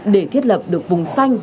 để thiết lập được vùng xanh